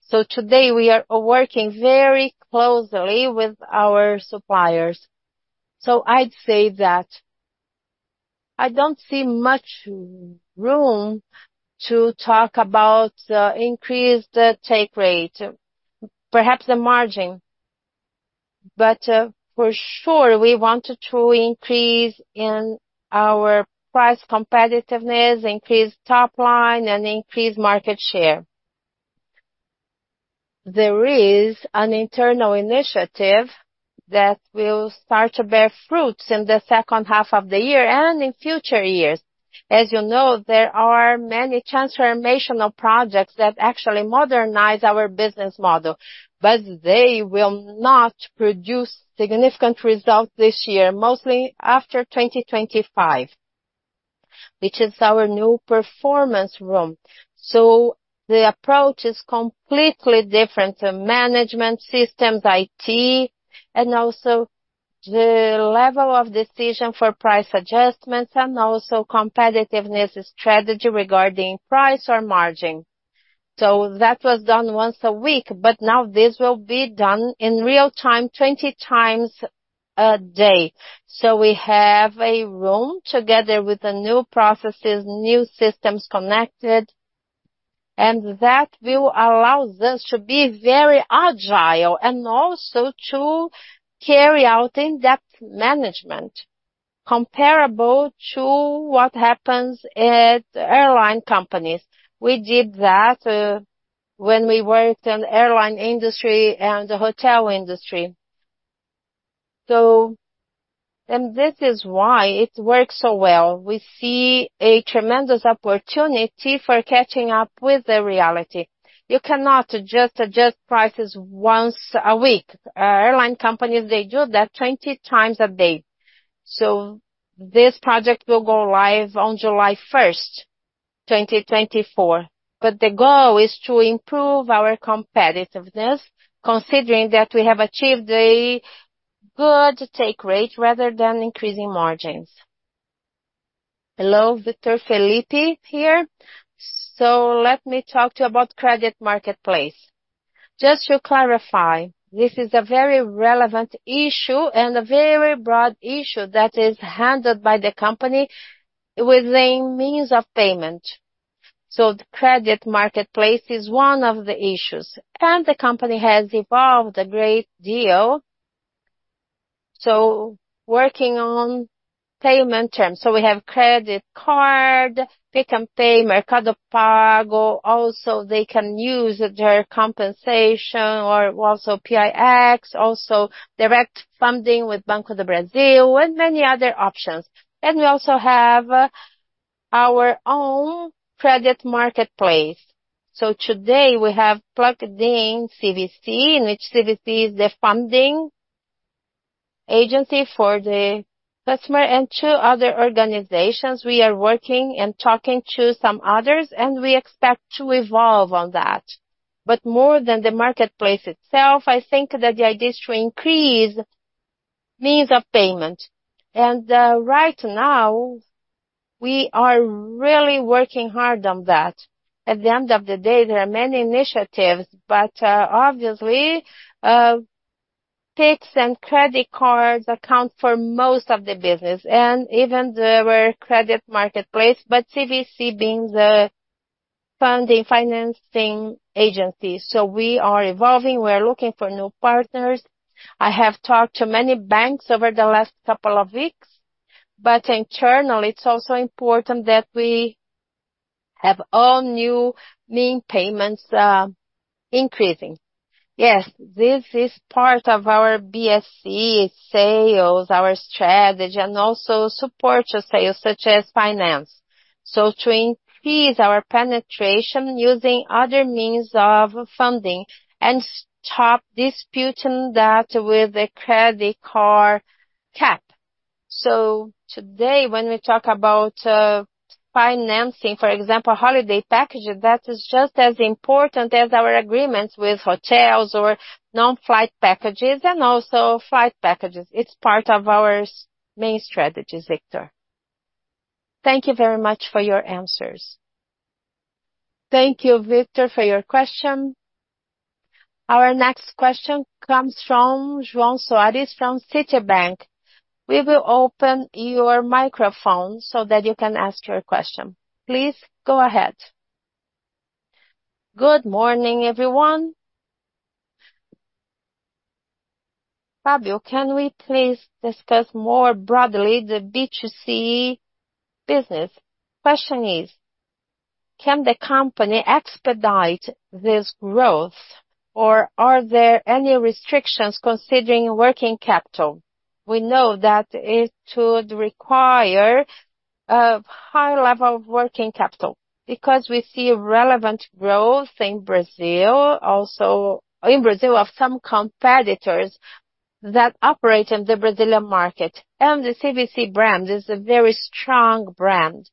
So today, we are working very closely with our suppliers. So I'd say that I don't see much room to talk about increased take rate, perhaps the margin. But for sure, we want to truly increase in our price competitiveness, increase top line, and increase market share. There is an internal initiative that will start to bear fruits in the second half of the year and in future years. As you know, there are many transformational projects that actually modernize our business model, but they will not produce significant results this year, mostly after 2025, which is our new performance room. So the approach is completely different: management systems, IT, and also the level of decision for price adjustments and also competitiveness strategy regarding price or margin. So that was done once a week, but now this will be done in real time 20 times a day. So we have a room together with new processes, new systems connected, and that will allow us to be very agile and also to carry out in-depth management comparable to what happens at airline companies. We did that when we worked in the airline industry and the hotel industry. And this is why it works so well. We see a tremendous opportunity for catching up with the reality. You cannot just adjust prices once a week. Airline companies, they do that 20 times a day. So this project will go live on July 1st, 2024. But the goal is to improve our competitiveness considering that we have achieved a good take rate rather than increasing margins. Hello, Victor. Felipe here. So let me talk to you about credit marketplace. Just to clarify, this is a very relevant issue and a very broad issue that is handled by the company within means of payment. So the credit marketplace is one of the issues. And the company has evolved a great deal, so working on payment terms. So we have credit card, PicPay, Mercado Pago. Also, they can use their compensation or also PIX, also direct funding with Banco do Brasil and many other options. And we also have our own credit marketplace. So today, we have Plugged In CVC, in which CVC is the funding agency for the customer, and two other organizations. We are working and talking to some others, and we expect to evolve on that. But more than the marketplace itself, I think that the idea is to increase means of payment. And right now, we are really working hard on that. At the end of the day, there are many initiatives, but obviously, PIX and credit cards account for most of the business and even our credit marketplace, but CVC being the funding, financing agency. So we are evolving. We are looking for new partners. I have talked to many banks over the last couple of weeks, but internally, it's also important that we have all new main payments increasing. Yes, this is part of our BSC sales, our strategy, and also support to sales such as finance. So to increase our penetration using other means of funding and stop disputing that with the credit card cap. So today, when we talk about financing, for example, holiday packages, that is just as important as our agreements with hotels or non-flight packages and also flight packages. It's part of our main strategies, Victor. Thank you very much for your answers. Thank you, Vitor, for your question. Our next question comes from João Soares from Citibank. We will open your microphone so that you can ask your question. Please go ahead. Good morning, everyone. Fábio, can we please discuss more broadly the B2C business? Question is, can the company expedite this growth, or are there any restrictions considering working capital? We know that it would require a high level of working capital because we see relevant growth in Brazil, also in Brazil of some competitors that operate in the Brazilian market. And the CVC brand is a very strong brand.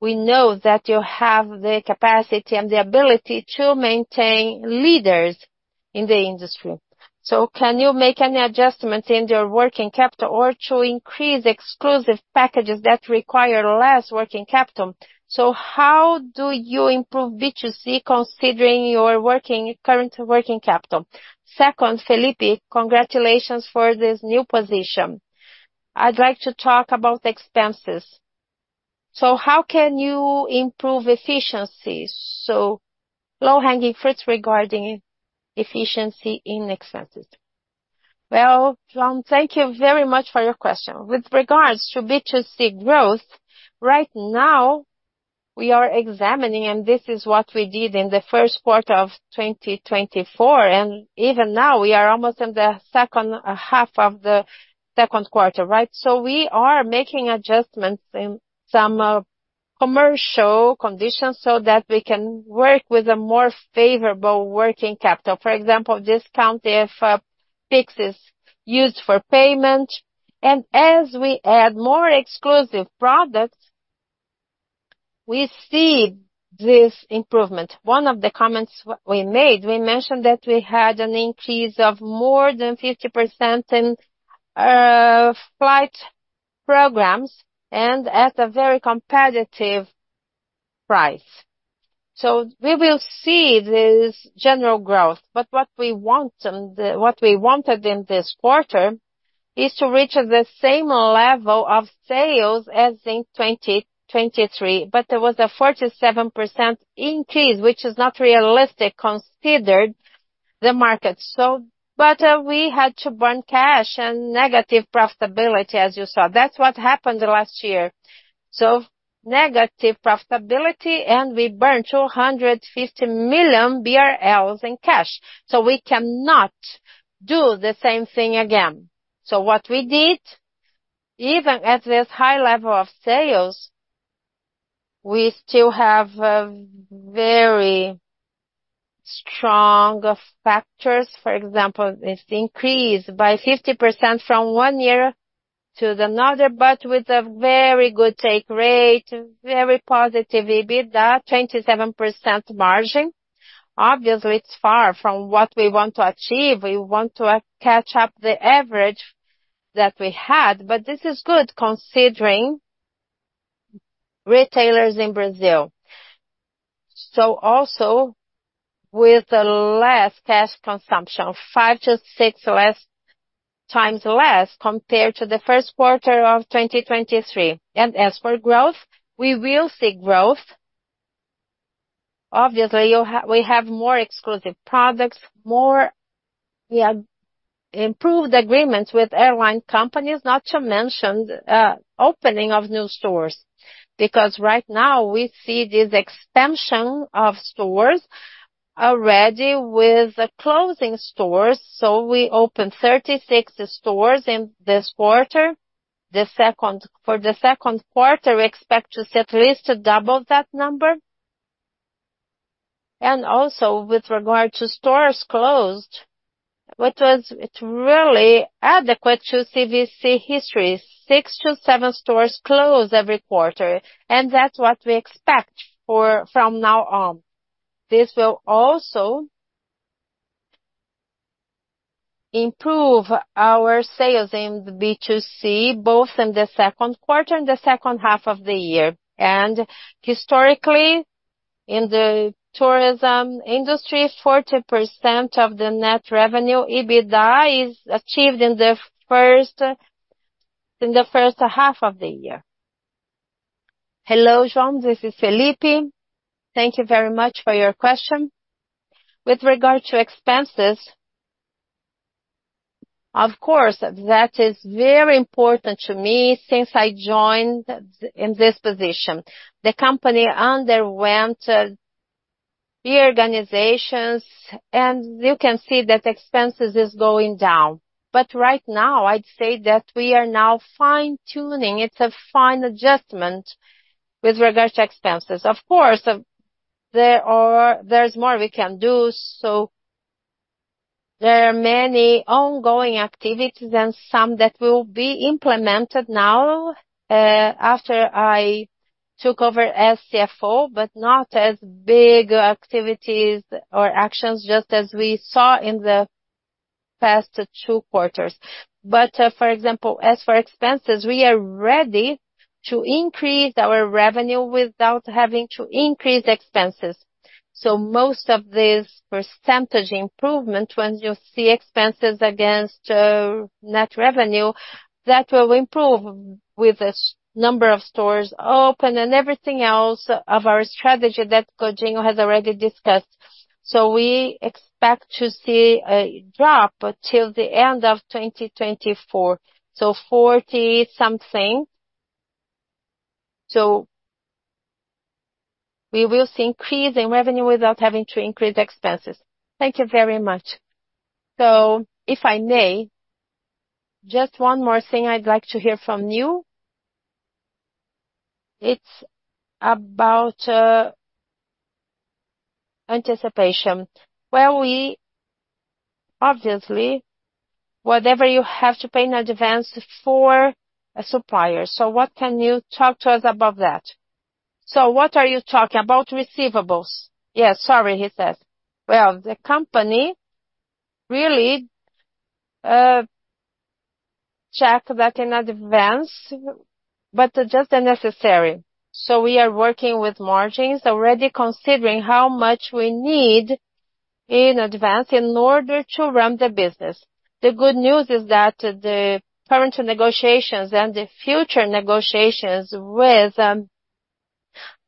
We know that you have the capacity and the ability to maintain leaders in the industry. So can you make any adjustments in your working capital or to increase exclusive packages that require less working capital? So how do you improve B2C considering your current working capital? Second, Felipe, congratulations for this new position. I'd like to talk about expenses. So how can you improve efficiency? So low-hanging fruits regarding efficiency in expenses. Well, João, thank you very much for your question. With regards to B2C growth, right now, we are examining, and this is what we did in the first quarter of 2024. Even now, we are almost in the second half of the second quarter, right? We are making adjustments in some commercial conditions so that we can work with a more favorable working capital. For example, discount if PIX is used for payment. As we add more exclusive products, we see this improvement. One of the comments we made, we mentioned that we had an increase of more than 50% in flight programs and at a very competitive price. We will see this general growth. What we wanted in this quarter is to reach the same level of sales as in 2023. There was a 47% increase, which is not realistic considering the market. We had to burn cash and negative profitability, as you saw. That's what happened last year. Negative profitability, and we burned 250 million BRL in cash. So we cannot do the same thing again. So what we did, even at this high level of sales, we still have very strong factors. For example, it's increased by 50% from one year to another, but with a very good take rate, very positive EBITDA, 27% margin. Obviously, it's far from what we want to achieve. We want to catch up the average that we had. But this is good considering retailers in Brazil, so also with less cash consumption, 5-6 times less compared to the first quarter of 2023. And as for growth, we will see growth. Obviously, we have more exclusive products, more improved agreements with airline companies, not to mention opening of new stores because right now, we see this expansion of stores already with closing stores. So we opened 36 stores in this quarter. For the second quarter, we expect to at least double that number. Also, with regard to stores closed, it's really adequate to CVC history. 6-7 stores close every quarter. That's what we expect from now on. This will also improve our sales in the B2C, both in the second quarter and the second half of the year. Historically, in the tourism industry, 40% of the net revenue EBITDA is achieved in the first half of the year. Hello, João. This is Felipe. Thank you very much for your question. With regard to expenses, of course, that is very important to me since I joined in this position. The company underwent reorganizations, and you can see that expenses are going down. But right now, I'd say that we are now fine-tuning. It's a fine adjustment with regard to expenses. Of course, there's more we can do. So there are many ongoing activities and some that will be implemented now after I took over as CFO, but not as big activities or actions just as we saw in the past two quarters. But for example, as for expenses, we are ready to increase our revenue without having to increase expenses. So most of this percentage improvement, when you see expenses against net revenue, that will improve with the number of stores open and everything else of our strategy that Godinho has already discussed. So we expect to see a drop till the end of 2024, so 40-something. So we will see increase in revenue without having to increase expenses. Thank you very much. So if I may, just one more thing I'd like to hear from you. It's about anticipation. Obviously, whatever you have to pay in advance for a supplier. So what can you talk to us about that? So what are you talking about? Receivables. Yes, sorry, he says. Well, the company really checks that in advance, but just the necessary. So we are working with margins already considering how much we need in advance in order to run the business. The good news is that the current negotiations and the future negotiations with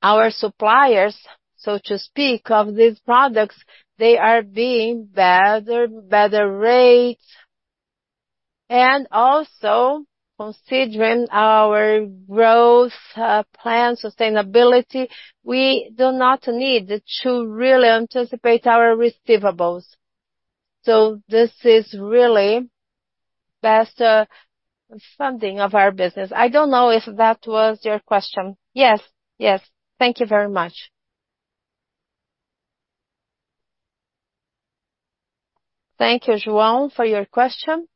our suppliers, so to speak, of these products, they are being better, better rates. And also, considering our growth plan, sustainability, we do not need to really anticipate our receivables. So this is really best funding of our business. I don't know if that was your question. Yes, yes. Thank you very much. Thank you, João, for your question.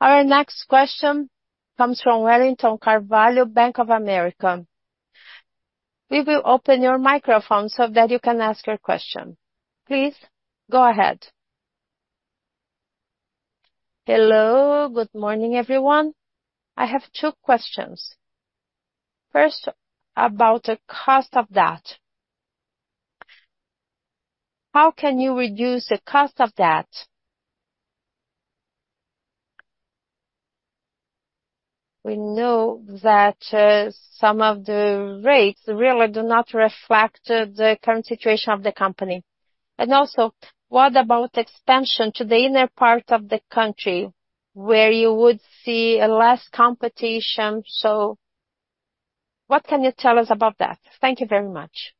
Our next question comes from Wellington Carvalho, Bank of America. We will open your microphone so that you can ask your question. Please go ahead. Hello. Good morning, everyone. I have two questions. First, about the cost of debt. How can you reduce the cost of debt? We know that some of the rates really do not reflect the current situation of the company. And also, what about expansion to the inner part of the country where you would see less competition? So what can you tell us about that? Thank you very much.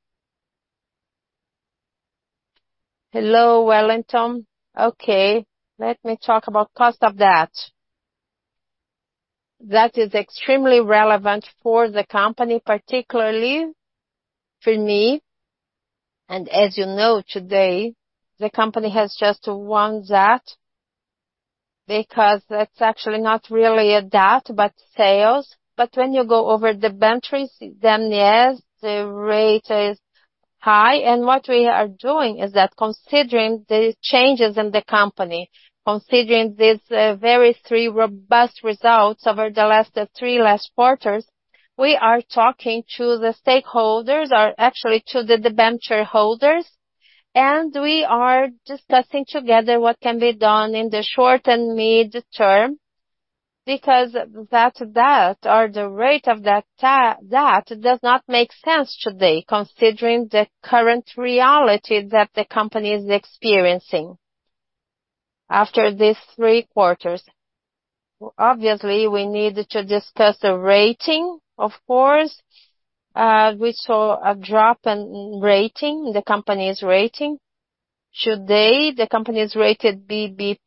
Hello, Wellington. Okay. Let me talk about cost of debt. That is extremely relevant for the company, particularly for me. And as you know, today, the company has just one debt because it's actually not really a debt but sales. But when you go over the countries, then yes, the rate is high. What we are doing is that considering the changes in the company, considering these very three robust results over the last three last quarters, we are talking to the stakeholders, actually to the debenture holders, and we are discussing together what can be done in the short and mid-term because that debt or the rate of that debt does not make sense today considering the current reality that the company is experiencing after these three quarters. Obviously, we need to discuss the rating. Of course, we saw a drop in the company's rating. Should the company's rating be B+?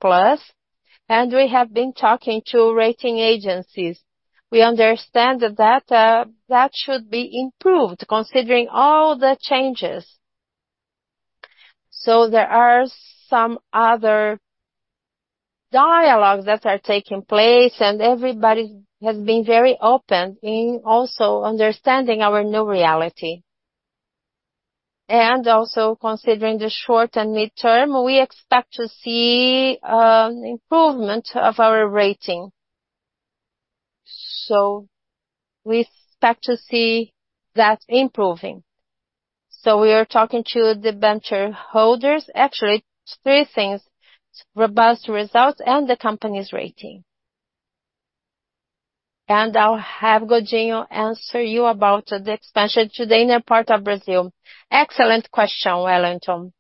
We have been talking to rating agencies. We understand that that should be improved considering all the changes. There are some other dialogues that are taking place, and everybody has been very open in also understanding our new reality. Also, considering the short and mid-term, we expect to see improvement of our rating. So we expect to see that improving. So we are talking to debenture holders, actually, three things: robust results and the company's rating. And I'll have Godinho answer you about the expansion to the inner part of Brazil. Excellent question, Wellington.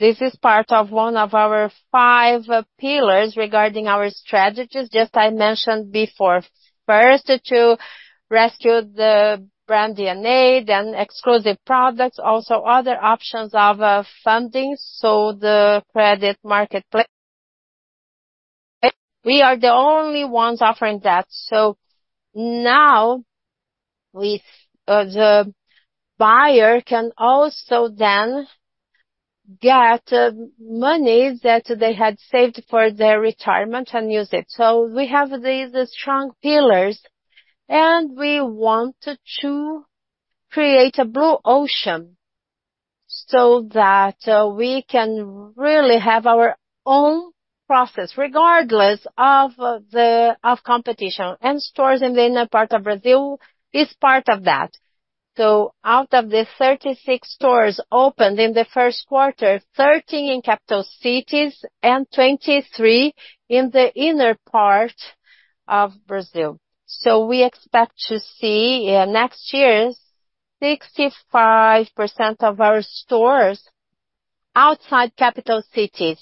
This is part of one of our five pillars regarding our strategies just I mentioned before. First, to rescue the brand DNA, then exclusive products, also other options of funding. So the credit marketplace, we are the only ones offering that. So now, the buyer can also then get money that they had saved for their retirement and use it. So we have these strong pillars, and we want to create a blue ocean so that we can really have our own process regardless of competition. Stores in the inner part of Brazil is part of that. Out of the 36 stores opened in the first quarter, 13 in capital cities and 23 in the inner part of Brazil. We expect to see next year's 65% of our stores outside capital cities.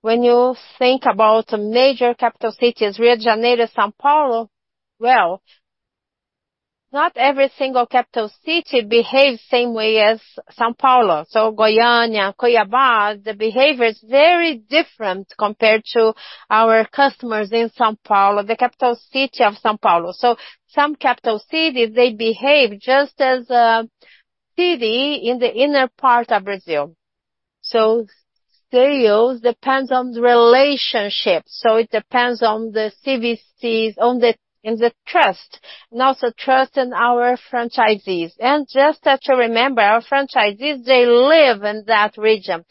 When you think about major capital cities, Rio de Janeiro, São Paulo, well, not every single capital city behaves the same way as São Paulo. Goiânia, Cuiabá, the behavior is very different compared to our customers in São Paulo, the capital city of São Paulo. Some capital cities, they behave just as a city in the inner part of Brazil. Sales depends on the relationship. It depends on the CVCs in the trust, not the trust in our franchisees. Just to remember, our franchisees, they live in that region.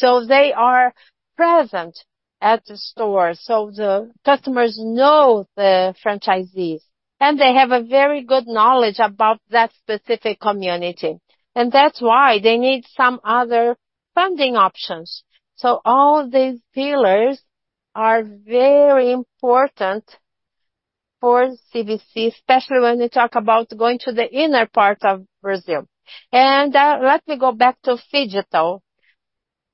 They are present at the stores. The customers know the franchisees, and they have a very good knowledge about that specific community. That's why they need some other funding options. All these pillars are very important for CVC, especially when you talk about going to the inner part of Brazil. Let me go back to phygital.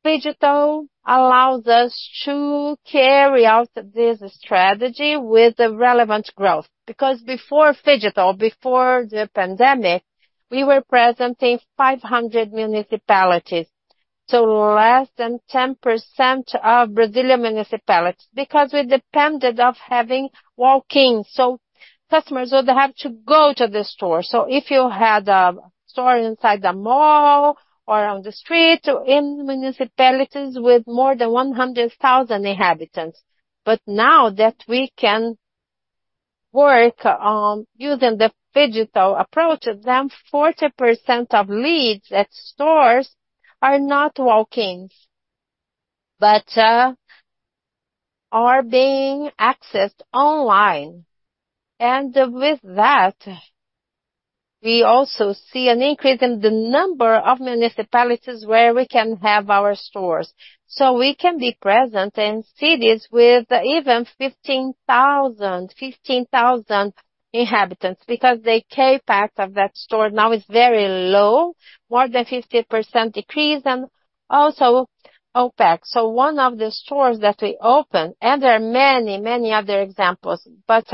Phygital allows us to carry out this strategy with relevant growth because before phygital, before the pandemic, we were present in 500 municipalities, so less than 10% of Brazilian municipalities because we depended on having walk-in customers who would have to go to the store. If you had a store inside the mall or on the street in municipalities with more than 100,000 inhabitants, but now that we can work using the phygital approach, then 40% of leads at stores are not walk-ins but are being accessed online. With that, we also see an increase in the number of municipalities where we can have our stores. We can be present in cities with even 15,000 inhabitants because the CapEx of that store now is very low, more than 50% decrease, and also OpEx. One of the stores that we opened, and there are many, many other examples, but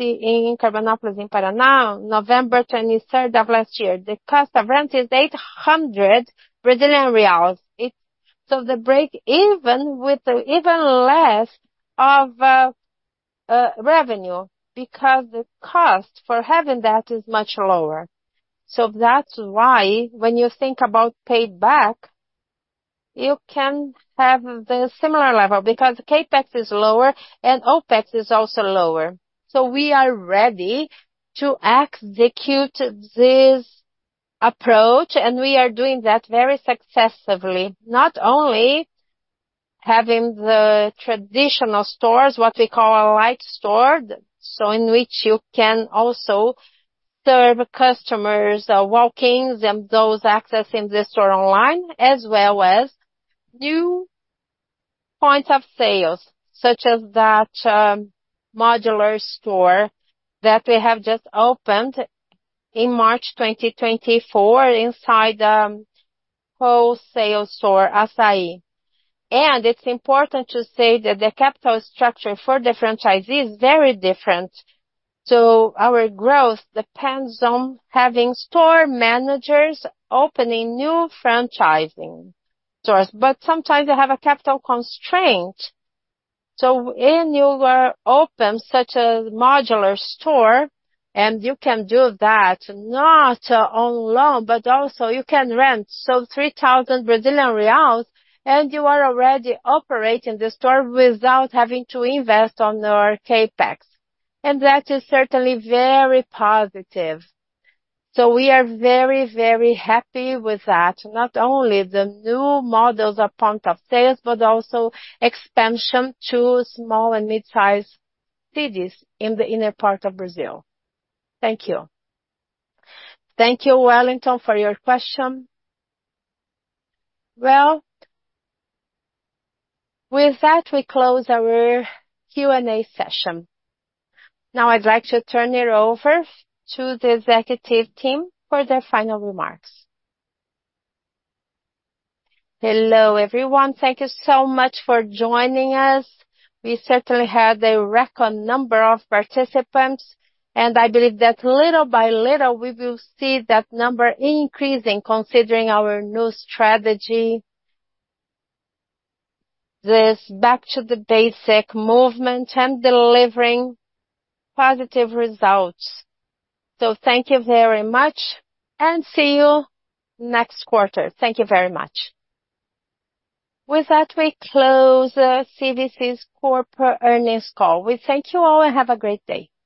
in Carlópolis in Paraná, November 23rd of last year, the cost of rent is 800 Brazilian reais. The break-even with even less of revenue because the cost for having that is much lower. That's why when you think about payback, you can have the similar level because CapEx is lower and OpEx is also lower. So we are ready to execute this approach, and we are doing that very successfully, not only having the traditional stores, what we call a light store, so in which you can also serve customers, walk-ins, and those accessing the store online, as well as new points of sales such as that modular store that we have just opened in March 2024 inside the wholesale store, Assaí. And it's important to say that the capital structure for the franchisee is very different. So our growth depends on having store managers opening new franchising stores. But sometimes they have a capital constraint. So when you open such a modular store, and you can do that not on loan, but also you can rent, so 3,000 Brazilian reais, and you are already operating the store without having to invest on your CapEx. And that is certainly very positive. So we are very, very happy with that, not only the new models of point of sales but also expansion to small and mid-size cities in the inner part of Brazil. Thank you. Thank you, Wellington, for your question. Well, with that, we close our Q&A session. Now, I'd like to turn it over to the executive team for their final remarks. Hello, everyone. Thank you so much for joining us. We certainly had a record number of participants, and I believe that little by little, we will see that number increasing considering our new strategy, this back-to-the-basic movement, and delivering positive results. So thank you very much, and see you next quarter. Thank you very much. With that, we close CVC's corporate earnings call. We thank you all, and have a great day. Bye.